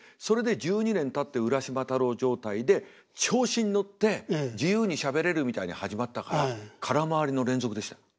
それで１２年たって浦島太郎状態で調子に乗って自由にしゃべれるみたいに始まったから空回りの連続でした。